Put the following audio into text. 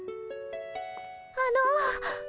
あの。